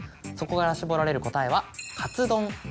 そこから絞られる答えは「かつどん」。